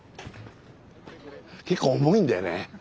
結構重いんだよね。